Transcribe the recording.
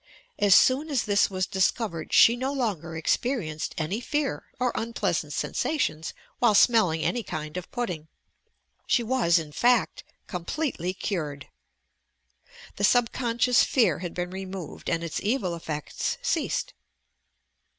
As soon as this was discovered she no longer experienced any fear or unpleasant sensa tions while smelling any kind of pudding; she was, in fact, completely cured! The subconscious fear had been removed and its evil effects ceased.